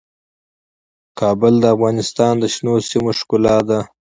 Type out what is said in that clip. کابل د افغانستان د شنو سیمو ښکلا ده.